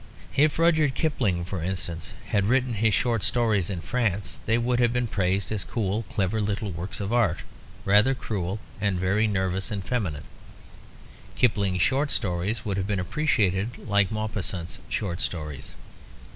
If Rudyard Kipling, for instance, had written his short stories in France, they would have been praised as cool, clever little works of art, rather cruel, and very nervous and feminine; Kipling's short stories would have been appreciated like Maupassant's short stories.